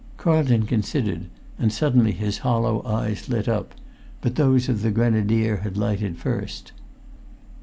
Carlton considered, and suddenly his hollow eyes lit up; but those of the grenadier had lighted first.